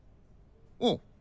うん。